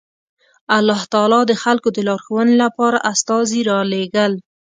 الله تعالی د خلکو د لارښوونې لپاره استازي رالېږل